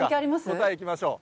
答えいきましょう。